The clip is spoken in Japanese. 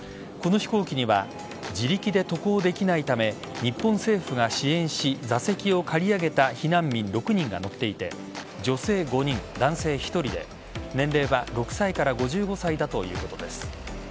この飛行機には自力で渡航できないため日本政府が支援し座席を借り上げた避難民６人が乗っていて女性５人、男性１人で年齢は６歳から５５歳だということです。